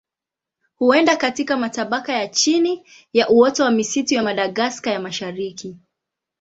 Huenda katika matabaka ya chini ya uoto wa misitu ya Madagaska ya Mashariki.